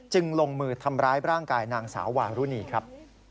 ลงมือทำร้ายร่างกายนางสาววารุณีครับ